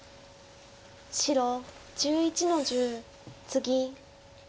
白１１の十ツギ。